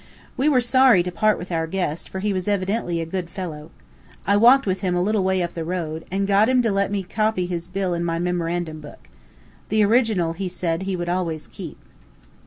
We were sorry to part with our guest, for he was evidently a good fellow. I walked with him a little way up the road, and got him to let me copy his bill in my memorandum book. The original, he said, he would always keep.